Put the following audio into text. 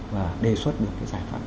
và đề xuất được cái giải pháp